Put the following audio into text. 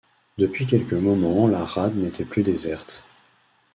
Depuis quelques moments la rade n’était plus déserte.